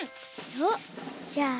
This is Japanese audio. おっじゃあ。